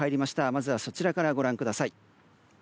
まずはそちらからご覧ください。